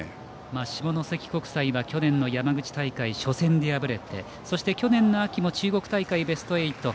下関国際は去年の山口大会に初戦で敗れて、去年の秋も中国大会ベスト８。